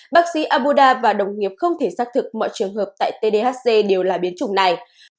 bác sĩ abuda và đồng nghiệp không thể xác thực mọi trường hợp tại tdhc đều là biến chủng này